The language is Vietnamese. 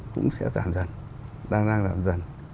cũng sẽ giảm dần